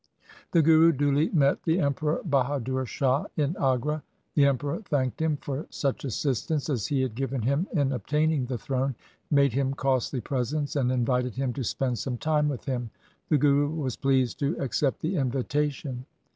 The Guru duly met the Emperor Bahadur Shah in Agra. The Emperor thanked him for such assist ance as he had given him in obtaining the throne, made him costly presents, and invited him to spend some time with him. The Guru was pleased to accept the invitation.